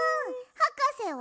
はかせは？